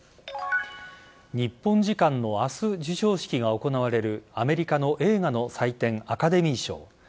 日本時間の明日授賞式が行われるアメリカの映画の祭典アカデミー賞。